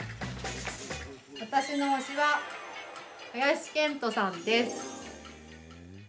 私の推しは林遣都さんです。